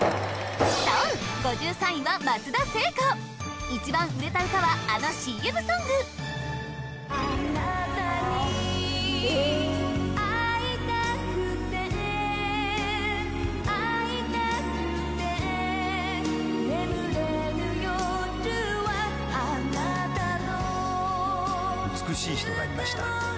そう５３位は松田聖子一番売れた歌はあのＣＭソング「美しい人がいました」